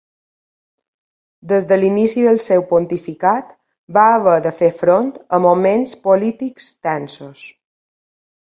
Des de l'inici del seu pontificat va haver de fer front a moments polítics tensos.